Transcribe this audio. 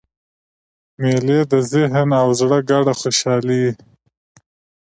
مېلې د ذهن او زړه ګډه خوشحاله يي.